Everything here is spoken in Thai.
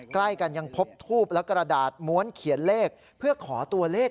ใกล้กันยังพบทูบและกระดาษม้วนเขียนเลขเพื่อขอตัวเลข